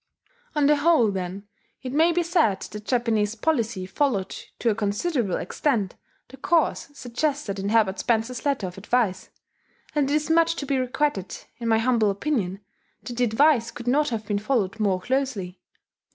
] On the whole, then, it may be said that Japanese policy followed, to a considerable extent, the course suggested in Herbert Spencer's letter of advice; and it is much to be regretted, in my humble opinion, that the advice could not have been followed more closely.